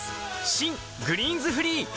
新「グリーンズフリー」